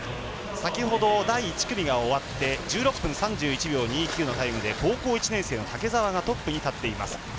先ほど、第１組が終わって１６分３１秒２９のタイムで高校１年生の竹澤がトップに立っています。